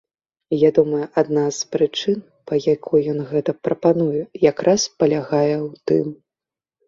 Я думаю, адна з прычын, па якой ён гэта прапануе якраз палягае ў тым.